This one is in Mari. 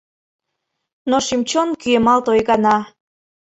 Но шӱм-чон кӱэмалт ойгана.